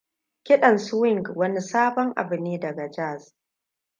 Kidan Swing wani sabon abu ne daga jazz.